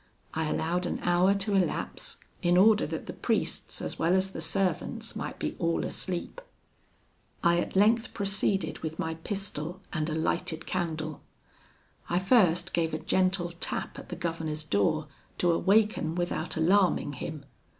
I allowed an hour to elapse, in order that the priests as well as the servants might be all asleep. I at length proceeded with my pistol and a lighted candle. I first gave a gentle tap at the governor's door to awaken without alarming him.